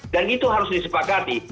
dan itu harus disepakati